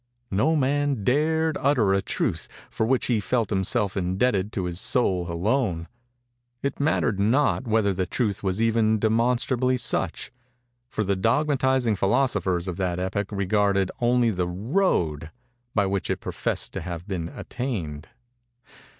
No man dared utter a truth for which he felt himself indebted to his soul alone. It mattered not whether the truth was even demonstrably such; for the dogmatizing philosophers of that epoch regarded only the road by which it professed to have been attained.